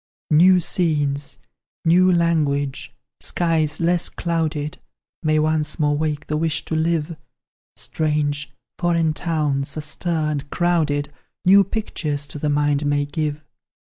"New scenes, new language, skies less clouded, May once more wake the wish to live; Strange, foreign towns, astir, and crowded, New pictures to the mind may give.